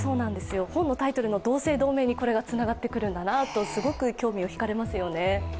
本のタイトルの「同姓同名」にこれがつながってくるんだなと、すごく興味をひかれますよね。